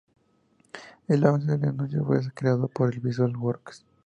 El avance del anuncio fue creado por Visual Works.